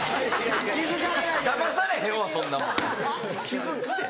だまされへんわそんなもん気付くで。